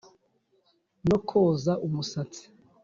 no koza umusatsi